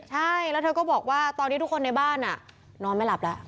ใช่แล้วเธอก็บอกว่าตอนนี้ทุกคนในบ้านนอนไม่หลับแล้ว